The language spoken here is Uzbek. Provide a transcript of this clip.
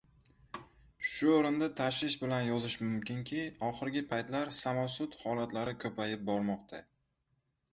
Shu o‘rinda tashvish bilan yozish mumkinki, ohirgi paytlar samosud holatlari ko‘payib bormoqda